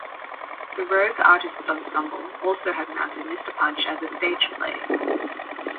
The Rogue Artists Ensemble also have mounted Mr. Punch as a stage play.